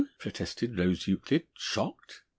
protested Rose Euclid, shocked.